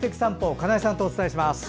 金井さんとお伝えします。